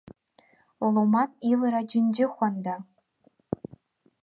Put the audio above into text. Луман илра џьынџьыхәанда!